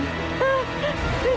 ya makasih bi